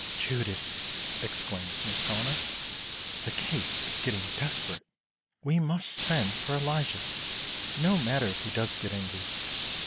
"Judith," exclaims Miss Helena, "the case is getting desperate. We must send for Elijah, no matter if he does get angry.